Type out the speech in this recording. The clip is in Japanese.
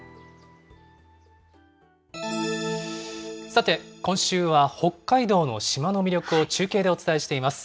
さて、今週は北海道の島の魅力を中継でお伝えしています。